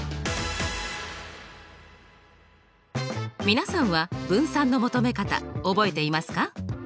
皆さんは分散の求め方覚えていますか？